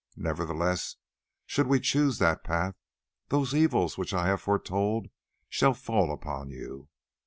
Nevertheless, should we choose that path, those evils which I have foretold shall fall upon you.